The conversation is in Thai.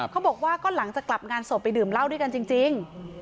เขาบอกว่าก็หลังจากกลับงานศพไปดื่มเหล้าด้วยกันจริง